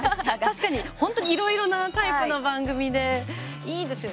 確かに本当にいろいろなタイプの番組で、いいですよ。